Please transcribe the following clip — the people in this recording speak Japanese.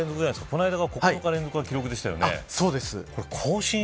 この間９日連続の記録でしたよね。